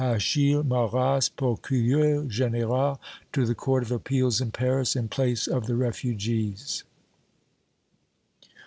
Achille Marrast Procureur General to the Court of Appeals in Paris, in place of the refugees.